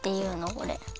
これ。